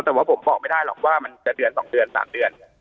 แต่ว่าผมบอกไม่ได้หรอกว่ามันจะเดือน๒เดือน๓เดือน